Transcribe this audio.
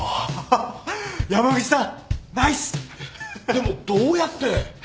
でもどうやって？